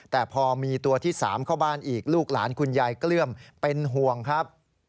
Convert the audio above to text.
แต่พอมีตัวที่๓เข้าบ้านอีกลูกหลานคุณยายเกลื้มเป็นห่วงครับ